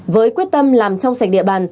với quyết tâm làm trong sạch địa bàn